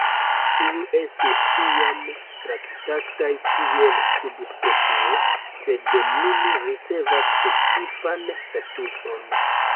Tiu estis iam traktataj kiel subspecio, sed nun ricevas specifan statuson.